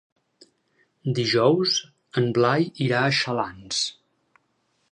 Dijous en Blai irà a Xalans.